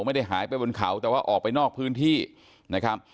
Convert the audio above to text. ไม่ได้หายไปบนเขาแต่ว่าออกไปนอกพื้นที่นะครับ